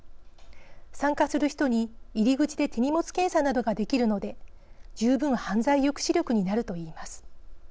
参加する人に入り口で手荷物検査などができるので十分犯罪抑止力になるといいます。